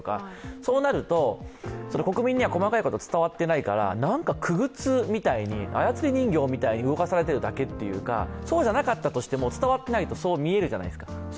そうなると、国民には細かいことが伝わっていないから何かくぐつみたいに、操り人形みたいに動かされてるだけみたいなそうじゃなかったとしても伝わっていないとそう見えるじゃないですか。